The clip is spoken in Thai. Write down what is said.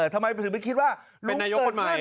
ทำไมถึงไม่คิดว่าเป็นนายกคนใหม่